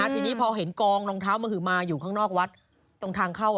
ทีนี้พอเห็นกองรองเท้ามหมาอยู่ข้างนอกวัดตรงทางเข้า